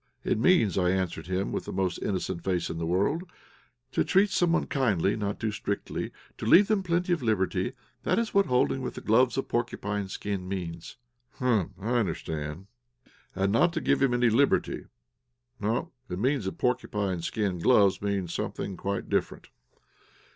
"It means," I answered him, with the most innocent face in the world, "to treat someone kindly, not too strictly, to leave him plenty of liberty; that is what holding with gloves of porcupine skin means." "Humph! I understand." "'And not give him any liberty' No; it seems that porcupine skin gloves means something quite different.'